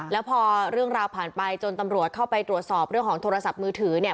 แล้วพอเรื่องราวผ่านไปจนตำรวจเข้าไปตรวจสอบเรื่องของโทรศัพท์มือถือเนี่ย